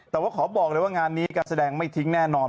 แต่ว่าขอบอกเลยว่างานนี้การแสดงไม่ทิ้งแน่นอน